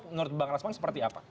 menurut bang rasman seperti apa